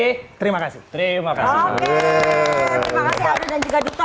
oke terima kasih aldo dan juga duto